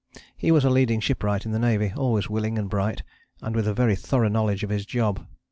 He was a leading shipwright in the navy, always willing and bright, and with a very thorough knowledge of his job.